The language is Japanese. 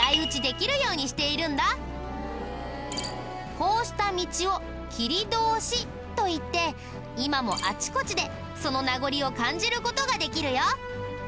こうした道を切通といって今もあちこちでその名残を感じる事ができるよ。